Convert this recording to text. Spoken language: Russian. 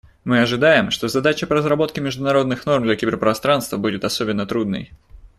Мы ожидаем, что задача по разработке международных норм для киберпространства будет особенно трудной.